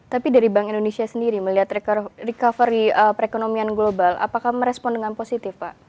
tapi dari bank indonesia sendiri melihat recovery perekonomian global apakah merespon dengan positif pak